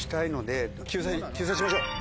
救済しましょう！